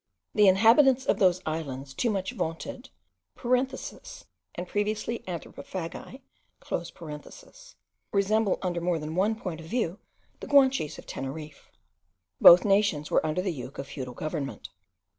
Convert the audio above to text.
The inhabitants of those islands, too much vaunted (and previously anthropophagi), resemble, under more than one point of view, the Guanches of Teneriffe. Both nations were under the yoke of feudal government.